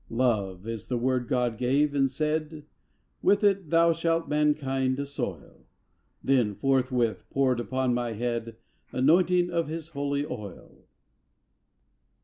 Love is the Word God gave and said: "With it thou shalt mankind assoil!" Then forthwith poured upon my head Anointing of His holy oil!